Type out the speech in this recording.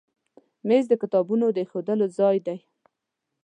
مېز د کتابونو د ایښودو ځای دی.